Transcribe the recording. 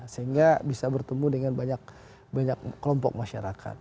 sehingga bisa bertemu dengan banyak kelompok masyarakat